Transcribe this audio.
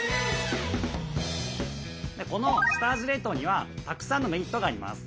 この下味冷凍にはたくさんのメリットがあります。